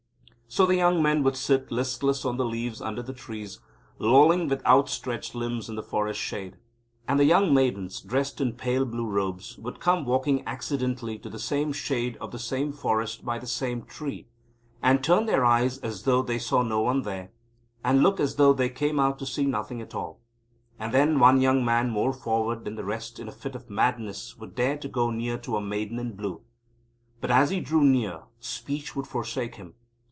So the young men would sit listless on the leaves under the trees, lolling with outstretched limbs in the forest shade. And the young maidens, dressed in pale blue robes, would come walking accidentally to the same shade of the same forest by the same trees, and turn their eyes as though they saw no one there, and look as though they came out to see nothing at all. And then one young man more forward than the rest in a fit of madness would dare to go near to a maiden in blue. But, as he drew near, speech would forsake him.